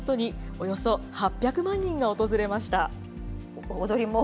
およそ８００万人が訪れました。